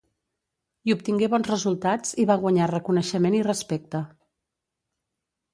Hi obtingué bons resultats i va guanyar reconeixement i respecte.